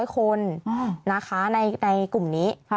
๐คนนะคะในกลุ่มนี้